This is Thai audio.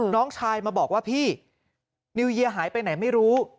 น้องชายมาบอกว่าพี่นิวเยียหายไปไหนไม่รู้